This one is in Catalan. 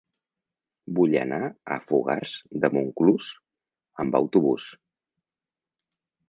Vull anar a Fogars de Montclús amb autobús.